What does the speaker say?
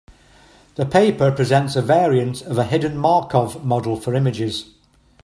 The paper presents a variant of a hidden Markov model for images.